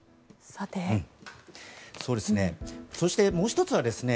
そしてもう１つはですね